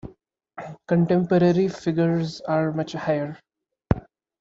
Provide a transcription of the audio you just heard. Contemporary figures are much higher.